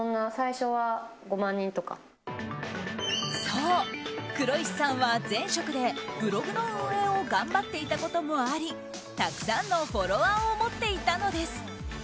そう、黒石さんは前職でブログの運営を頑張っていたこともありたくさんのフォロワーを持っていたのです。